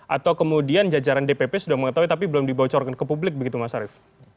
atau kemudian jajaran dpp sudah mengetahui tapi belum dibocorkan ke publik begitu mas arief